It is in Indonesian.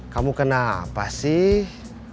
kamu kenapa sih